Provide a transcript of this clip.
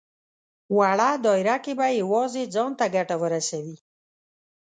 وړه دايره کې به يوازې ځان ته ګټه ورسوي.